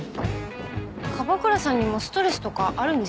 樺倉さんにもストレスとかあるんですね。